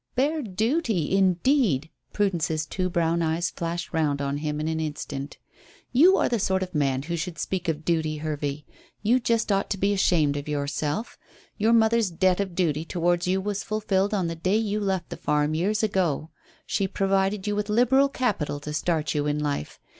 "Bare duty, indeed!" Prudence's two brown eyes flashed round on him in an instant. "You are the sort of man who should speak of duty, Hervey. You just ought to be ashamed of yourself. Your mother's debt of duty towards you was fulfilled on the day you left the farm years ago. She provided you with liberal capital to start you in life.